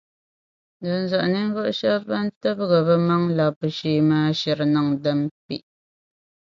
Dinzuɣu ninvuɣu shɛba ban tibigi bɛ maŋ’ labbu shee maa shiri niŋ din be.